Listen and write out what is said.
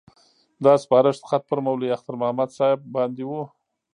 دا سپارښت خط پر مولوي اختر محمد صاحب باندې وو.